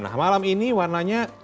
nah malam ini warnanya